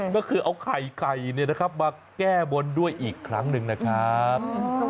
ก็คือเอาไข่ไก่มาแก้บนด้วยอีกครั้งหนึ่งนะครับ